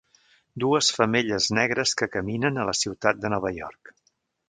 Dues femelles negres que caminen a la ciutat de Nova York.